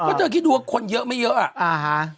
เพราะเธอคิดดูว่าคนเยอะไม่เยอะอ่ะอ่าฮะ